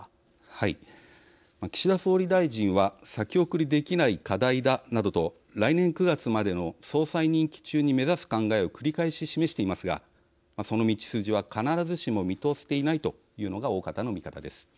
はい、岸田総理は「先送りできない課題だ」などと来年９月までの総裁任期中に目指す考えを繰り返し示していますがその道筋は、必ずしも見通せていないというのが大方の見方です。